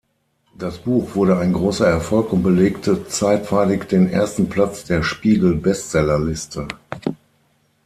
Das Buch wurde ein großer Erfolg und belegte zeitweilig den ersten Platz der "Spiegel"-Bestsellerliste.